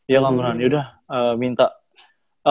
ya kak amran yaudah minta